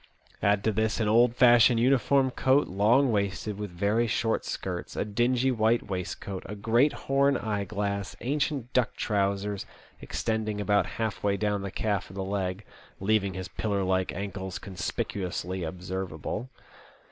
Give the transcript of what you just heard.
Add to this an old fashioned uniform coat, long waisted, with very short skirts, a dingy white waistcoat, a great horn eyeglass, ancient duck trousers extending about half way down the calf of the leg, " leaving his pillar like ankles con spicuously observable."